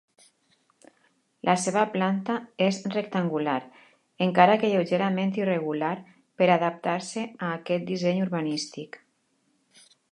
La seva planta és rectangular, encara que lleugerament irregular per adaptar-se a aquest disseny urbanístic.